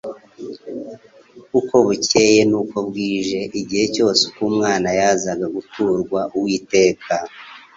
Uko bukoye n'uko bwije, igihe cyose uko umwana yazaga guturwa Uwiteka,